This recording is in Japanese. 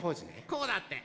こうだって。